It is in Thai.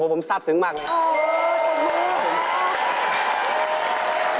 ผมทราบซึ้งมากเลย